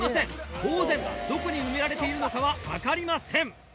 当然どこに埋められているのかは分かりません。